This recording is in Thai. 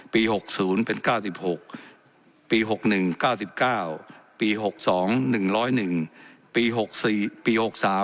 ๖๐เป็น๙๖ปี๖๑๙๙ปี๖๒๑๐๑ปี๖๔ปี๖๓